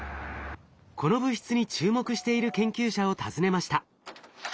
この物質に注目している研究者を訪ねました。